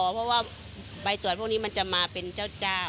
เพราะว่าใบตรวจพวกนี้มันจะมาเป็นเจ้า